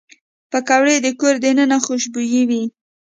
پکورې د کور دننه خوشبويي وي